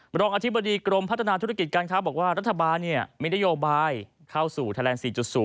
รองอธิบดีกรมพัฒนาธุรกิจการค้าบอกว่ารัฐบาลมีนโยบายเข้าสู่ไทยแลนด๔๐